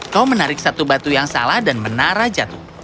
kau menarik satu batu yang salah dan menara jatuh